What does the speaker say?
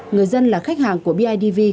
người dân là khách hàng của bidv